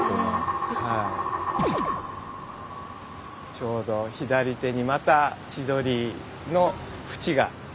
ちょうど左手にまた千鳥のフチが。